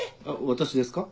私ですか？